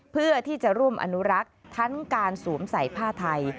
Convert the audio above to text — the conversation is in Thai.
เพื่อที่จะร่วมอนุรักษ์ทั้งการสวมใส่ผ้าไทย